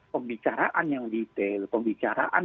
pembicaraan yang detail pembicaraan